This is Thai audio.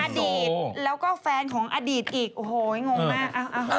อดีตแล้วก็แฟนของอดีตอีกโอ้โหงงมาก